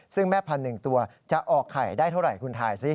ซึ่งแม่พันธุ์๑ตัวจะออกไข่ได้เท่าไหร่คุณถ่ายสิ